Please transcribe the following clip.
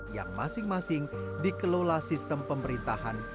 yang masing masing dikelola sistem pemerintahan